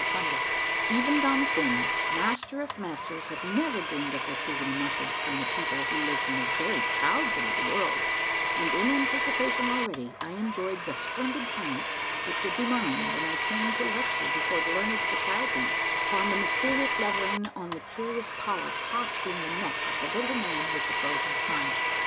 174 A MARVELLOUS UNDERGROUND JOURNEY Even Don Funi, Master of Masters, had never dreamed of receiving a message from the people who lived in the very childhood of the world, and in anticipation already I enjoyed the splendid trinmph which would be mine when I came to lecture before learned societies upon the mysterious lettering on the curious collar clasping the neck of the Little Man with the Frozen Smile.